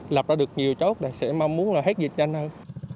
lập ra được nhiều chốt là sẽ mong muốn là hết dịch nhanh hơn